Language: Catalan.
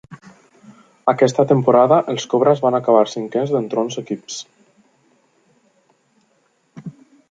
Aquesta temporada els Cobras van acabar cinquens d'entre onze equips.